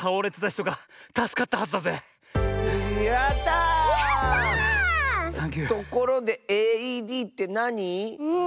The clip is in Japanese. ところでＡＥＤってなに？